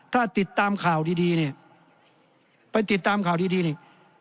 ถ้าติดตามข่าวดีเนี่ยไปติดตามข่าวดีนี่